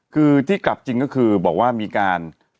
คือที่กลับจริงก็คือบอกว่ามีการ